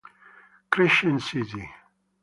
Crescent City